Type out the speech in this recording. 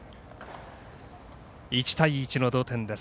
１対１の同点です。